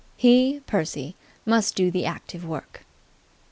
He, Percy, must do the active work.